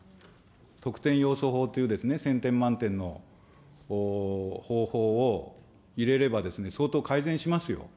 とくてんようそ法という１０００点満点の方法を入れれば、相当改善しますよ。